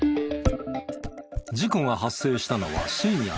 事故が発生したのは深夜０時。